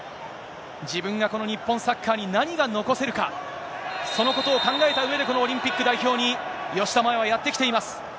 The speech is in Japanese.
自分がこの日本サッカーに何が残せるか、そのことを考えたうえで、このオリンピック代表に吉田麻也はやって来ています。